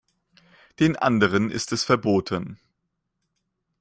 Den anderen ist es verboten.